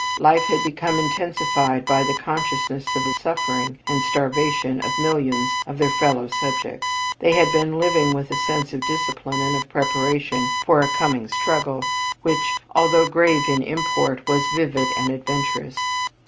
Life had become intensified by the consciousness of the suffering and starvation of millions of their fellow subjects. They had been living with a sense of discipline and of preparation for a coming struggle which, although grave in import, was vivid and adventurous.